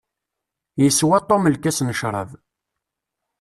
Yeswa Tom lkas n ccrab.